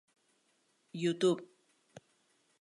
Youtube